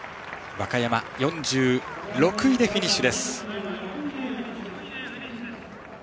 和歌山４６位でフィニッシュ。